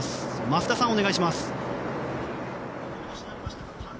増田さん、お願いします。